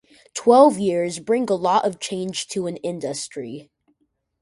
Twelve years bring a lot of change to an industry.